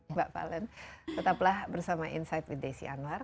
mbak valen tetaplah bersama insight with desi anwar